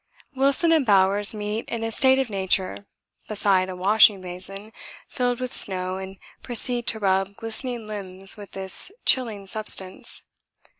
Wilson and Bowers meet in a state of nature beside a washing basin filled with snow and proceed to rub glistening limbs with this chilling substance.